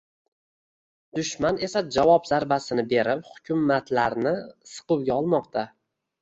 Dushman esa javob zarbasini berib, hukumatlarni siquvga olmoqda